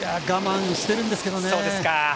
我慢しているんですけどね。